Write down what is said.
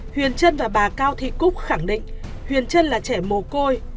huyền trân và bà cao thị cúc khẳng định huyền trân là trẻ mồ côi